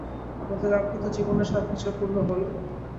আমাদের দাম্পত্য জীবনের সাত বছর পূর্ণ হলো।